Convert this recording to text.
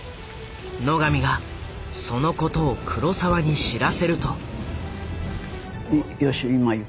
野上がそのことを黒澤に知らせると。